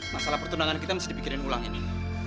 masalah pertundangan kita mesti dipikirin ulang ini